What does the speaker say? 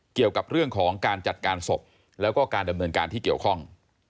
เกี่ยวกับเรื่องของการจัดการศพแล้วก็การดำเนินการที่เกี่ยวข้อง